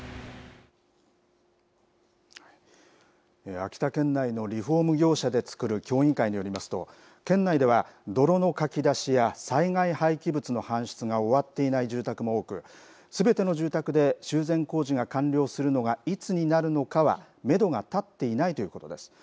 秋田県内のリフォーム業者で作る協議会によりますと、県内では泥のかき出しや災害廃棄物の搬出が終わっていない住宅も多く、すべての住宅で修繕工事が完了するのがいつになるのかは、メドが立っていないということです。